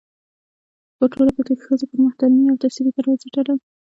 پـه ټـولـه کـې د ښـځـو پـر مـخ تـعلـيمي او تحصـيلي دروازې تــړل.